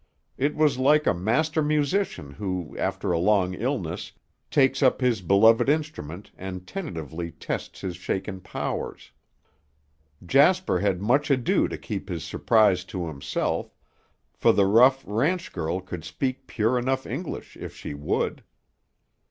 It was like a master musician who, after a long illness, takes up his beloved instrument and tentatively tests his shaken powers. Jasper had much ado to keep his surprise to himself, for the rough ranch girl could speak pure enough English if she would.